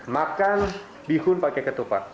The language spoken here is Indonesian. makan bihun pakai ketupat